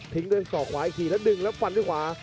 ทิ้งด้วยตอกขวาอีกทีแล้วดึงแล้วฟันขึ้นขวา